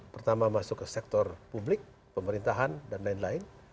pertama masuk ke sektor publik pemerintahan dan lain lain